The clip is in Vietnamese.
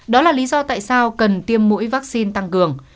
đó là lý do tại sao cần tiêm mũi vaccine tăng cường